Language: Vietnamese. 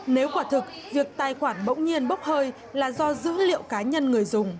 nếu quả thực việc tài khoản bỗng nhiên bốc hơi là do dữ liệu cá nhân người dùng